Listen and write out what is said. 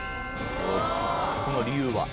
その理由は？